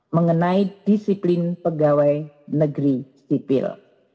mengenai disiplin pegawai negeri sipil